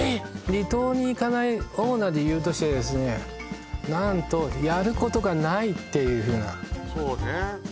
離島に行かない主な理由として何と「やることがない」っていうふうなそうね